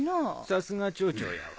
さすが町長やわ。